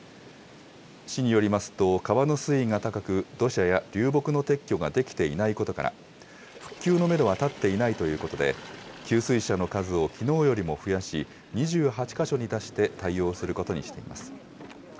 市によりますと川の水位が高く、土砂や流木の撤去ができていないことから、復旧のメドは立っていないということで、給水車の数をきのうよりも増やし、２８か所に出して対応することにしています。